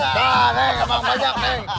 wah neng emang banyak neng